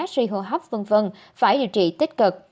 suy hô hấp v v phải điều trị tích cực